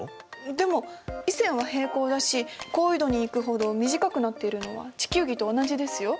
でも緯線は平行だし高緯度に行くほど短くなっているのは地球儀と同じですよ。